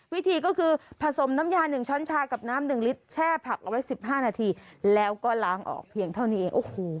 วิธีก็คือผสมน้ำยา๑ช้อนชากับน้ำ๑ลิตรแช่ผักเอาไว้๑๕นาทีแล้วก็ล้างออกเพียงเท่านี้เองโอ้โห